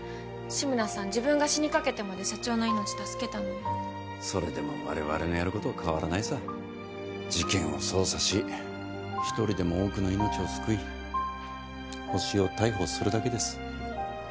志村さん自分が死にかけてまで社長の命助けたのにそれでも我々のやることは変わらないさ事件を捜査し一人でも多くの命を救いホシを逮捕するだけです